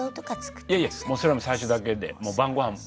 いやいやもうそれは最初だけで晩ごはん晩ごはんばっかり。